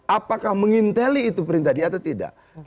apakah menginteli itu perintah dia atau tidak